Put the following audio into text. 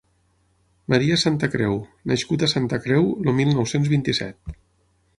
Maria Santacreu, nascut a Santa Creu el mil nou-cents vint-i-set.